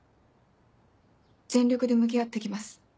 全力で向き合ってきます。